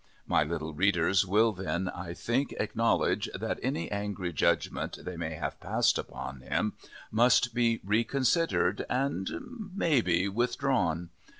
My little readers will then, I think, acknowledge that any angry judgment they may have passed upon him must be reconsidered and, maybe, withdrawn.